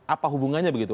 apa hubungannya begitu